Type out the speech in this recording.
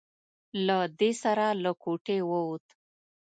له دې سره له کوټې ووت.